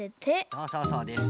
そうそうそうです。